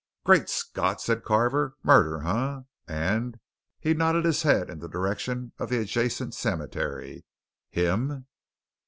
"Great Scott!" said Carver. "Murder, eh? And" he nodded his head in the direction of the adjacent cemetery. "Him?"